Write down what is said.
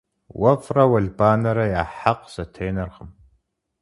Уэфӏрэ уэлбанэрэ я хьэкъ зэтенэркъым.